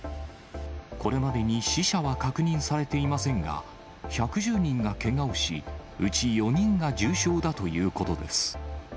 これまでに死者は確認されていませんが、１１０人がけがをし、うち４人が重傷だということです。